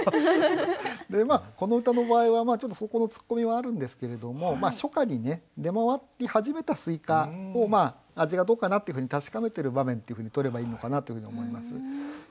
この歌の場合はちょっとそこの突っ込みはあるんですけれども初夏に出回り始めた西瓜を味がどうかなっていうふうに確かめてる場面というふうにとればいいのかなというふうに思います。